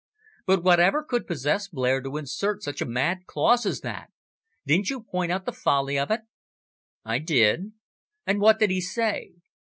"But whatever could possess Blair to insert such a mad clause as that? Didn't you point out the folly of it?" "I did." "And what did he say?"